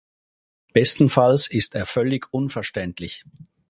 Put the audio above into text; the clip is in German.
Bestenfalls ist er völlig unverständlich.